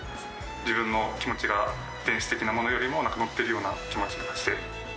自分の気持ちが、電子的なものよりものってるような気持がして。